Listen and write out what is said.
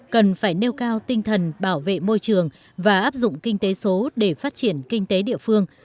cần phải nêu cao tinh thần bảo vệ môi trường và áp dụng kinh tế số để phát triển kinh tế địa phương